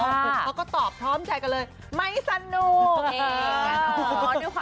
เขาก็ตอบพร้อมใจกันเลยไม่สนุก